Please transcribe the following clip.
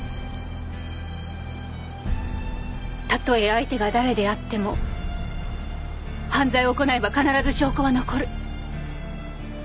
たとえ相手が誰であっても犯罪を行えば必ず証拠は残る。